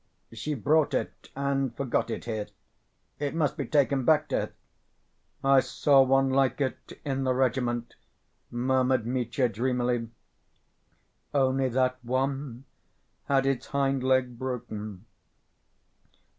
"She brought it and forgot it here. It must be taken back to her." "I saw one like it ... in the regiment ..." murmured Mitya dreamily, "only that one had its hind leg broken....